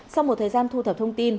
sau một thời gian thu thập thông tin